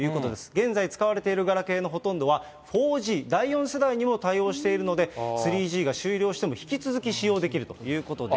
現在使われているガラケーのほとんどは４Ｇ、第４世代にも対応しているので、３Ｇが終了しても引き続き使用できるということで。